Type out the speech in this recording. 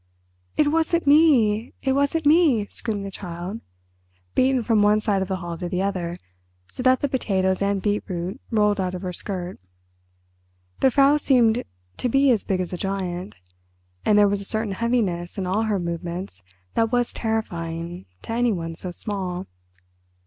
"It wasn't me—it wasn't me!" screamed the Child, beaten from one side of the hall to the other, so that the potatoes and beetroot rolled out of her skirt. The Frau seemed to be as big as a giant, and there was a certain heaviness in all her movements that was terrifying to anyone so small.